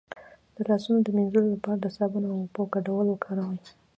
د لاسونو د مینځلو لپاره د صابون او اوبو ګډول وکاروئ